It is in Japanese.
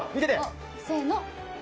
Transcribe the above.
せの。